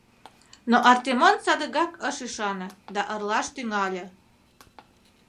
Но Артемон садыгак ыш ӱшане да ырлаш тӱҥале.